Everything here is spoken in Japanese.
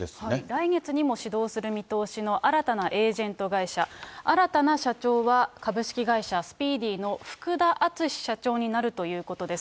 来月にも始動する見通しの新たなエージェント会社、新たな社長は株式会社スピーディの福田淳社長になるということです。